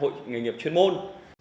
hội nghề nghiệp chuyên môn